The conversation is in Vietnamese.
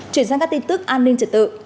chuyển sang các tin tức an ninh trật tự